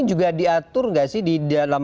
juga diatur nggak sih di dalam